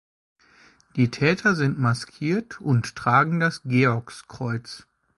Die Täter sind maskiert und tragen das Georgskreuz.